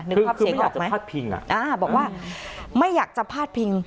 คือไม่อยากจะพาดพิงอ่ะอ่าบอกว่าไม่อยากจะพาดพิง